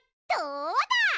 どうだ！